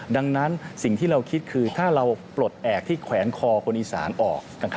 ดังนั้นสิ่งที่เราคิดคือถ้าเราปลดแอบที่แขวนคอคนอีสานออก